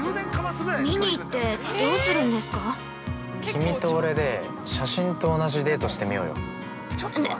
◆君と俺で写真と同じデートしてみようよ。